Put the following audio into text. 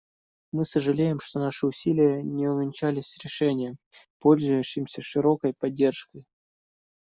Мы сожалеем, что наши усилия не увенчались решением, пользующимся широкой поддержкой.